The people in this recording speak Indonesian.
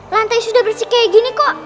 lantai sudah bersih kayak gini kok